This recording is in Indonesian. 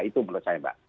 itu menurut saya mbak